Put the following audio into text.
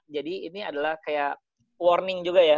jadi ini adalah kayak warning juga ya